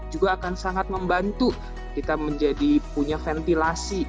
juga akan sangat membantu kita menjadi punya ventilasi